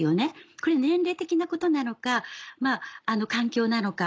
これ年齢的なことなのか環境なのか。